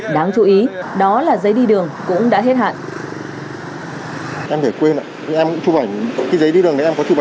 đáng chú ý đó là giấy đi đường cũng đã hết hạn